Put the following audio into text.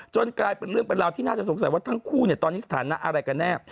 กลายเป็นเรื่องเป็นราวที่น่าจะสงสัยว่าทั้งคู่ตอนนี้สถานะอะไรกันแน่